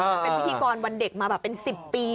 เป็นพิธีกรวันเด็กมาแบบเป็น๑๐ปี